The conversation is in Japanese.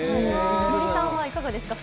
森さんはいかがですか？